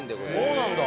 そうなんだ。